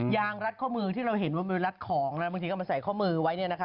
ยางรัดข้อมือที่เราเห็นว่ามันรัดของบางทีก็มาใส่ข้อมือไว้เนี่ยนะคะ